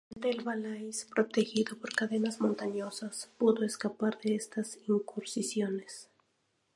Solamente el Valais, protegido por cadenas montañosas, pudo escapar de estas incursiones.